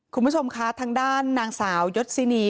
คุณผู้ชมคะทางด้านนางสาวยศินี